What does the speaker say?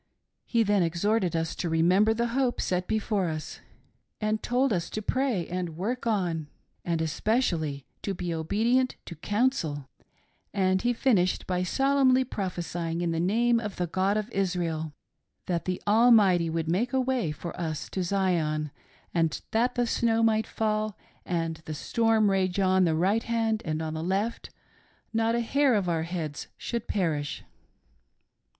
He then exhorted us to remember the hope set before us, and told us to pray and work on, and especially to be obedient to counsel ; and he finished by solemnly prophesying, in the name of the God of Israel, that the Almighty would make a way for us to Zion, and that though the snow might fall and the storm rage on the right hand and on the left, not a hair of our heads should perish.